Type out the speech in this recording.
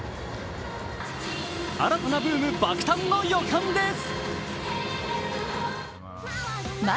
新たなブーム爆誕の予感です。